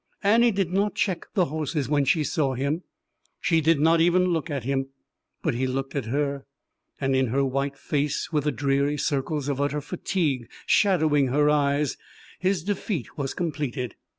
Annie did not check the horses when she saw him; she did not even look at him. But he looked at her, and in her white face, with the dreary circles of utter fatigue shadowing her eyes, his defeat was completed.